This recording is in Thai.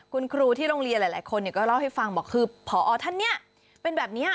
คุณครูที่โรงเรียนหลายคนก็เล่าให้ฟังบอกคือพอท่านเนี่ยเป็นแบบนี้